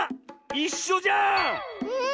いっしょじゃん！